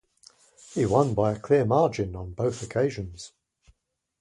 He won by a clear margin on both occasions.